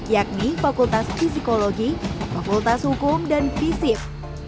yakni fakultas fisikologi fakultas hukum dan fisip